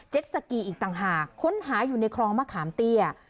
สกีอีกต่างหากค้นหาอยู่ในคลองมะขามเตี้ย